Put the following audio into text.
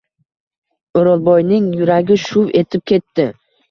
O’rolboyning yuragi shuv etib ketdi.